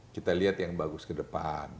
kita lihat yang bagus ke depan